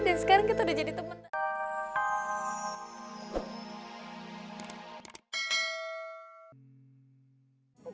dan sekarang kita udah jadi temen